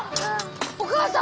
お母さん！